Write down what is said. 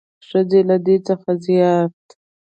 ښځې له دې څخه زیات